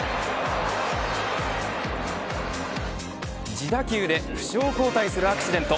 自打球で負傷交代するアクシデント。